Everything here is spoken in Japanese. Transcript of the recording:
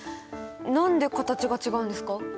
何で形が違うんですか？